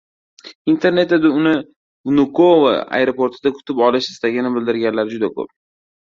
Internetda uni Vnukovo aeroportida kutib olish istagini bildirganlar juda ko‘p.